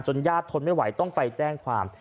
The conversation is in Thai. ญาติทนไม่ไหวต้องไปแจ้งความ